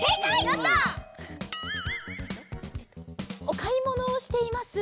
おかいものをしています。